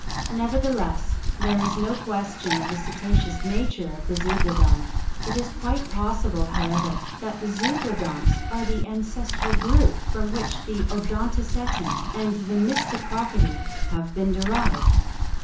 Nevertheless, there is no question of the Cetaceous nature of Zeuglodon. It is quite possible, however, that the Zeuglodonts are the ancestral group from which both Odontoceti and Mystacoceti have been derived.